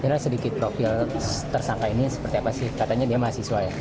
kira kira sedikit profil tersangka ini seperti apa sih katanya dia mahasiswa ya